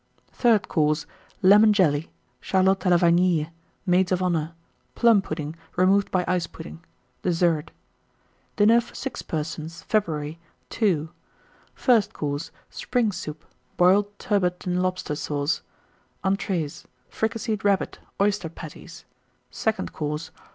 THIRD COURSE. Lemon Jelly. Charlotte à la Vanille. Maids of Honour. Plum pudding, removed by Ice Pudding. DESSERT. 1914. DINNER FOR 6 PERSONS (February). II. FIRST COURSE. Spring Soup. Boiled Turbot and Lobster Sauce. ENTREES. Fricasseed Rabbit. Oyster Patties. SECOND COURSE.